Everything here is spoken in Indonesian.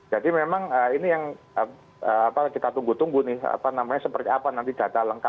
jadi memang ini yang kita tunggu tunggu nih apa namanya seperti apa nanti data lalu